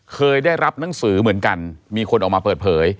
เคยได้รับหนังสือเหมือนกันมีคนออกมาเปิดเผย